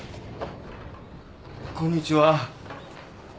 こんにちは。